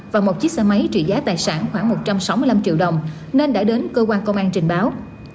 và một chiếc xe máy trị giá tài sản khoảng một trăm sáu mươi năm triệu đồng nên đã đến cơ quan công an trình báo